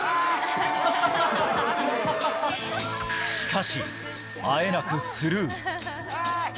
しかし、あえなくスルー。